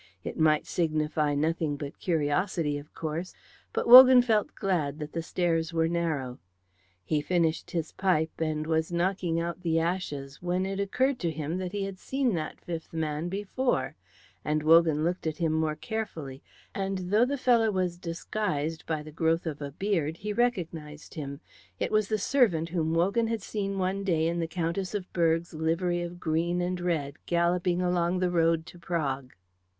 It might signify nothing but curiosity, of course, but Wogan felt glad that the stairs were narrow. He finished his pipe and was knocking out the ashes when it occurred to him that he had seen that fifth man before; and Wogan looked at him more carefully, and though the fellow was disguised by the growth of a beard he recognised him. It was the servant whom Wogan had seen one day in the Countess of Berg's livery of green and red galloping along the road to Prague.